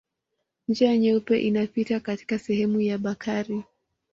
Njia Nyeupe inapita katika sehemu ya Bakari.